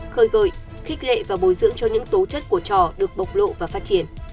khơi gợi khích lệ và bồi dưỡng cho những tố chất của trò được bộc lộ và phát triển